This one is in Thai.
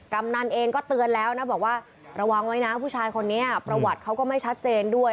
กำนันเองก็เตือนแล้วนะบอกว่าระวังไว้นะผู้ชายคนนี้ประวัติเขาก็ไม่ชัดเจนด้วย